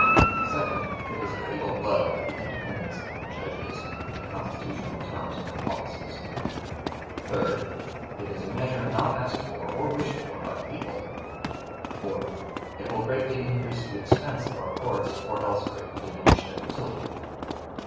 2d. It is a fatal blow at the independence of the judges and the constitutional term of their offices. 3d. It is a measure not asked for or wished for by the people. 4th. It will greatly increase the expense of our courts or else greatly diminish their utility.